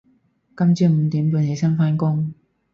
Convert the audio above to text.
今朝五點半起身返工